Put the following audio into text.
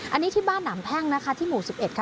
อันนี้ที่บ้านหนำแพ่งนะคะที่หมู่๑๑ค่ะ